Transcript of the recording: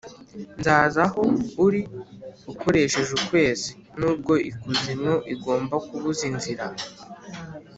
nzaza aho uri ukoresheje ukwezi, nubwo ikuzimu igomba kubuza inzira!